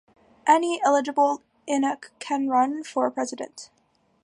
Any eligible Inuk can run for president.